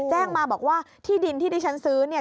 แจ้งมาบอกว่าที่ดินที่ดิฉันซื้อเนี่ย